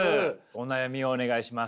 お悩みをお願いします。